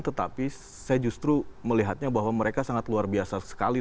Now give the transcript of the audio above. tetapi saya justru melihatnya bahwa mereka sangat luar biasa sekali